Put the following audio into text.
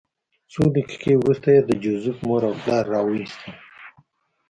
څو دقیقې وروسته یې د جوزف مور او پلار راوویستل